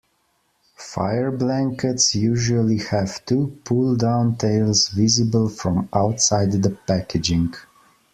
Fire blankets usually have two pull down tails visible from outside the packaging.